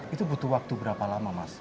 itu butuh waktu berapa lama mas